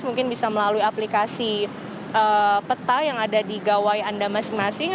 mungkin bisa melalui aplikasi peta yang ada di gawai anda masing masing